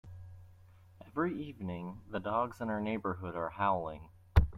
Every evening, the dogs in our neighbourhood are howling.